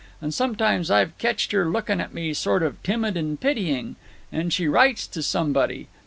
And sometimes I've ketched her lookin' at me sort of timid and pitying. And she writes to somebody.